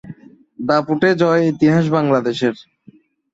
দাপুটে জয়ে ইতিহাস বাংলাদেশের